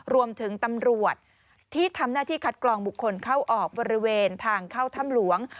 รวมถึงตำรวจที่ทำหน้าที่คัดกรองบุคคลเข้าออกบริเวณทางเข้าถ้ำหลวง